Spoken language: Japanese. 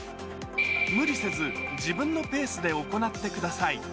無理せず自分のペースで行ってください。